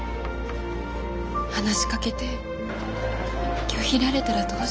話しかけてキョヒられたらどうしよう。